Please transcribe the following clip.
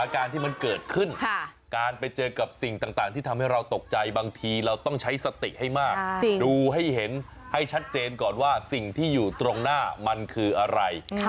มันเหมือนเป็นการสอนประสบการณ์ชีวิตใช่ให้เด็กมีสตินะคะอืม